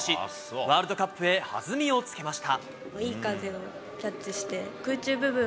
ワールドカップへ弾みをつけました。